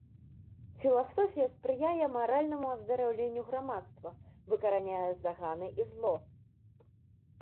Філасофія спрыяе маральнаму аздараўленню грамадства, выкараняе заганы і зло.